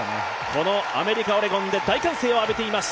このアメリカ・オレゴンで大歓声を浴びています。